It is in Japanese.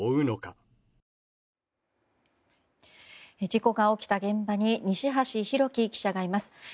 事故が起きた現場に西橋拓輝記者がいます。